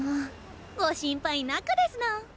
ご心配なくですの。